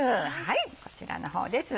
こちらの方です。